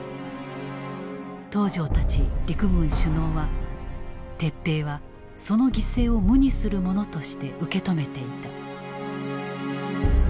東條たち陸軍首脳は撤兵はその犠牲を無にするものとして受け止めていた。